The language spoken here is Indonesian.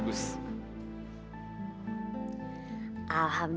kagak sia sia niat latihan gue